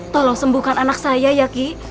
tolong sembuhkan anak saya ya ki